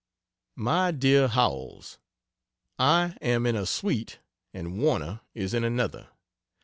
MY DEAR HOWELLS, I am in a sweat and Warner is in another.